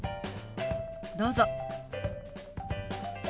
どうぞ。